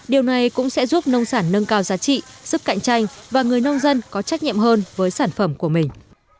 điều này cũng sẽ giúp nông sản nâng cao giá trị sức cạnh tranh và người nông dân có trách nhiệm hơn với sản phẩm của mình